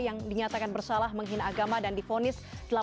yang dinyatakan bersalah menghina agama dan difonis